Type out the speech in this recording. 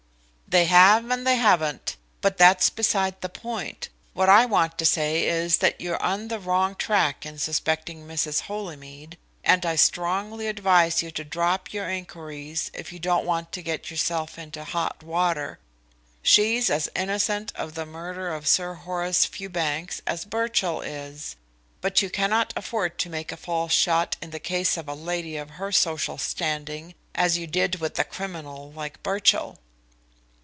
"They have and they haven't. But that's beside the point. What I want to say is that you're on the wrong track in suspecting Mrs. Holymead, and I strongly advise you to drop your inquiries if you don't want to get yourself into hot water. She's as innocent of the murder of Sir Horace Fewbanks as Birchill is, but you cannot afford to make a false shot in the case of a lady of her social standing, as you did with a criminal like Birchill."